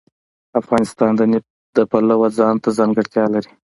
افغانستان د نفت د پلوه ځانته ځانګړتیا لري.